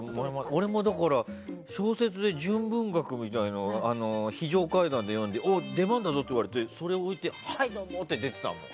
俺も小説で純文学みたいなの非常階段で読んでておい、出番だぞって言われてそれ置いてはい、どうも！ってできたもん。